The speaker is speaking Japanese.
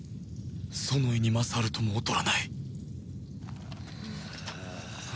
ソノイに勝るとも劣らない